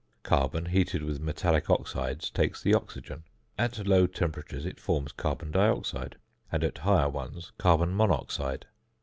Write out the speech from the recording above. Carbon heated with metallic oxides takes the oxygen; at low temperatures it forms carbon dioxide, and at higher ones, carbon monoxide.